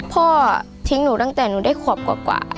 พ่อทิ้งหนูตั้งแต่หนูได้ขวบกว่า